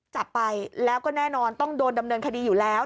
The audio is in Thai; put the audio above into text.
จับไปแล้วก็แน่นอนต้องโดนดำเนินคดีอยู่แล้ว